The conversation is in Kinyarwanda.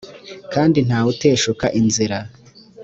kandi nta wuteshuka inzira